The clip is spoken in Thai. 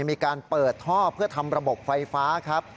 มีการเปิดท่อเพื่อทำระบบไฟฟ้าครับ